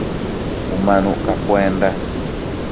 Umanuc capuenda